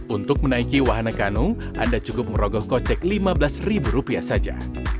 untuk menaiki wahana kanung anda cukup merogoh kocek lima belas ribu rupiah saja